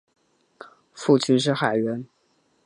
父亲是海员。